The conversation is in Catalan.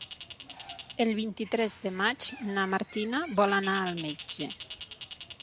El vint-i-tres de maig na Martina vol anar al metge.